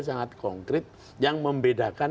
sangat konkret yang membedakan